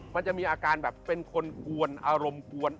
มันจะมีอาการแบบเป็นคนกวนอารมณ์กวน